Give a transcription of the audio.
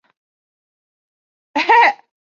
长穗花为野牡丹科长穗花属下的一个种。